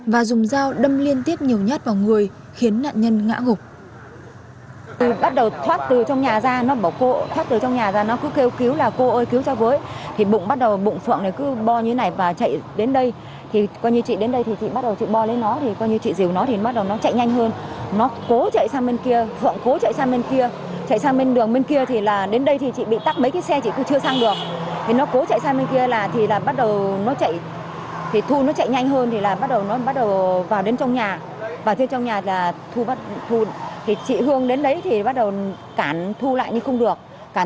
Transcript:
và dùng dao đâm liên tiếp nhiều nhát vào người khiến nạn nhân ngã ngục